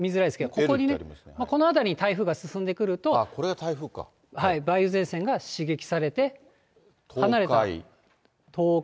ここにこの辺りに台風が進んでくると、梅雨前線が刺激されて、離れ東海。